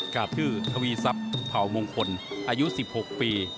กราบชื่อทวีซับผ่าวมงคลอายุ๑๖ปี